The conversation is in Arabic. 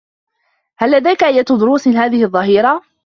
هل لديكِ أيّة دروس هذه الظّهيرة؟